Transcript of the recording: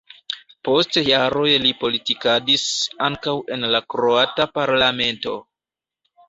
Post jaroj li politikadis ankaŭ en la kroata parlamento.